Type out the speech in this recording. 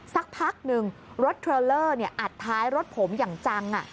สักพักหนึ่งรถเทรลเลอร์อัดท้ายรถผมอย่างจัง